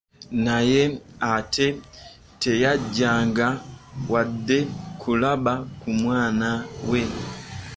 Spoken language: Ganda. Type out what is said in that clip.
Naye ate teyajjanga wadde okulaba ku mwana we.